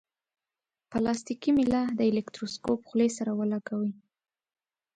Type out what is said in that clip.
پلاستیکي میله د الکتروسکوپ خولې سره ولګوئ.